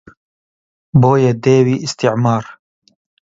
بۆیە دێوی ئیستیعمار